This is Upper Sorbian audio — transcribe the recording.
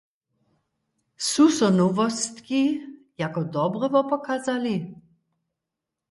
Su so nowostki jako dobre wopokazali?